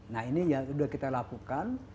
nah ini yang sudah kita lakukan